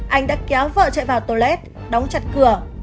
anh đã kéo vợ chạy vào tolet đóng chặt cửa